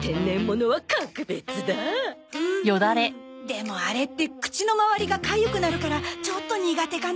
でもあれって口の周りがかゆくなるからちょっと苦手かな。